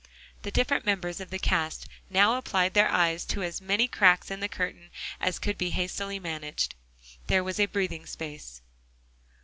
The different members of the cast now applied their eyes to as many cracks in the curtain as could be hastily managed. There was a breathing space.